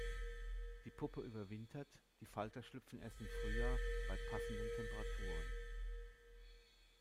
Die Puppe überwintert, die Falter schlüpfen erst im Frühjahr, bei passenden Temperaturen.